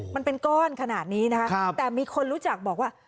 มันเป็นก้อนขนาดนี้นะคะแต่มีคนรู้จักบอกว่า